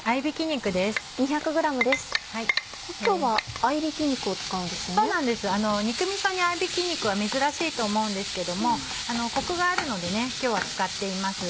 肉みそに合びき肉は珍しいと思うんですけどもコクがあるので今日は使っています。